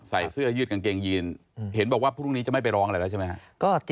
ใส่เสื้อยืดกางเกงยีนเห็นบอกว่าพรุ่งนี้จะไม่ไปร้องอะไรแล้วใช่ไหมครับ